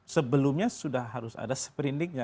sebelumnya sudah harus ada seperindiknya